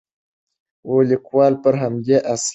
لیکوال پر همدې اصالت ټینګار کوي.